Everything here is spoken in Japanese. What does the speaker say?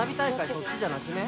そっちじゃなくね？